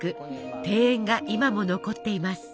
庭園が今も残っています。